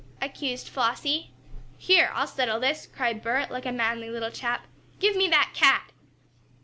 accused Flossie. "Here! I'll settle this!" cried Bert, like a manly little chap. "Give me that cat!"